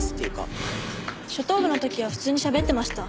初等部の時は普通にしゃべってました。